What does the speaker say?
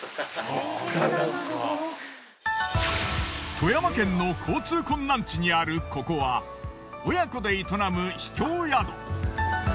富山県の交通困難地にあるここは親子で営む秘境宿。